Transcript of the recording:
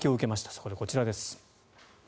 そこで、こちらです。